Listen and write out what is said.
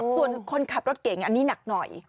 ส่วนคนขับรถเก่งอันนี้หนักหน่อย